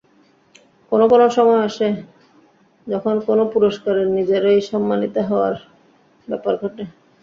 কোনো কোনো সময় আসে, যখন কোনো পুরস্কারের নিজেরই সম্মানিত হওয়ার ব্যাপার ঘটে।